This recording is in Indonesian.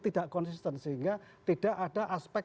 tidak konsisten sehingga tidak ada aspek